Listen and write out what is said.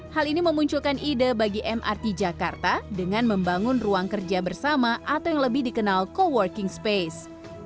hal ini memunculkan ide bagi mrt jakarta dengan membangun ruang kerja bersama atau yang lebih dikenal co working space